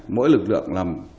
mỗi lực lượng làm